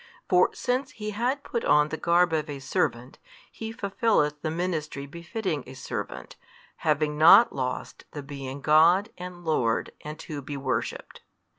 For since He had put on the garb of a servant, He fulfilleth the ministry befitting a servant, having not lost the being God and Lord and to be worshipped.